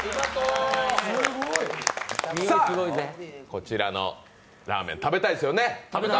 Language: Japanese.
こちらのラーメン、食べたいですよね。